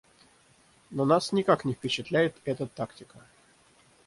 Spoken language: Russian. Но нас никак не впечатляет эта тактика.